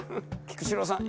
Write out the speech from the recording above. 菊紫郎さん